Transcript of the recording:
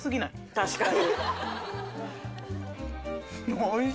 確かに。